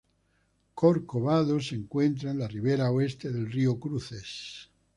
Corcovado se encuentra en la ribera oeste del río Cruces.